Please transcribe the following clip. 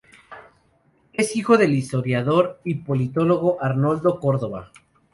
Es hijo del historiador y politólogo Arnaldo Córdova.